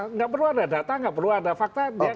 tidak perlu ada data tidak perlu ada fakta